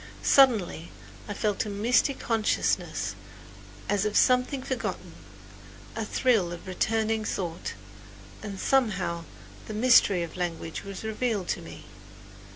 Suddenly I felt a misty consciousness as of something forgotten a thrill of returning thought; and somehow the mystery of language was revealed to me.